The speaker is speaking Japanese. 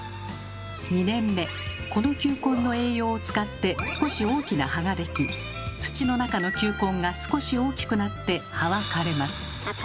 ２年目この球根の栄養を使って少し大きな葉ができ土の中の球根が少し大きくなって葉は枯れます。